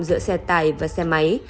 giữa xe tải và xe máy